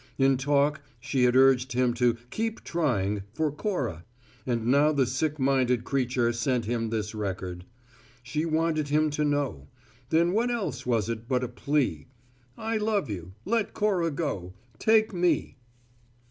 In talk, she had urged him to "keep trying," for Cora, and now the sick minded creature sent him this record. She wanted him to know. Then what else was it but a plea? "I love you. Let Cora go. Take me."